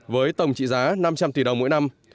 với tổng trị giá năm trăm linh tỷ đồng mỗi năm